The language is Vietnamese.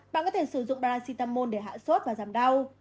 bạn có thể sử dụng racitamol để hạ sốt và giảm đau